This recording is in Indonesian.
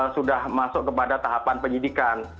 sudah masuk kepada tahapan penyidikan